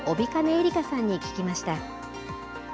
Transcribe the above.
エリカさんに聞きました。